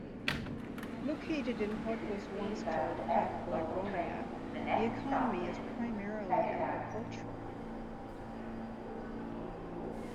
Located in what was once called Paphlagonia, The economy is primarily agricultural.